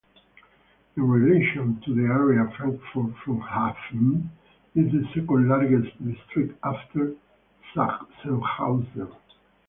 In relation to the area Frankfurt-Flughafen is the second largest district after Sachsenhausen.